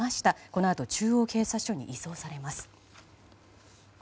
このあと中央警察署に移送されます。